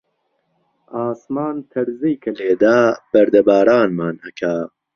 ئاسمان تەرزەی کە لێدا، بەردەبارانمان ئەکا